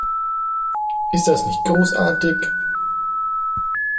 Ist das nicht großartig!